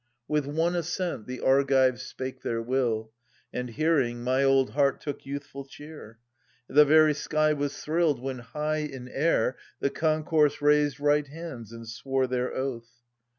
With one assent the Argives spake their will, And, hearing, my old heart took youthful cheer. The very sky was thrilled when high in air The concourse raised right hands and swore their oath :— 5 has their voti: 32 THE SUPPLIANT MAIDENS.